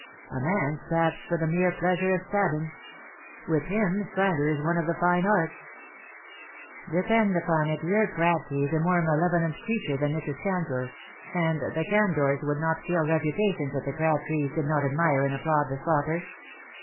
A man stabs for the mere pleasure of stabbing. With him slander is one of the fine arts. Depend upon it your Crabtree is a more malevolent creature than Mrs, Candour — and the Candours would not lill reputations if the Crabtrees did not admire and applaud the slaughter.